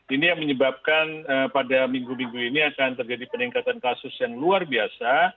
ini yang menyebabkan pada minggu minggu ini akan terjadi peningkatan kasus yang luar biasa